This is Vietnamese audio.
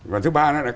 và thứ ba nữa là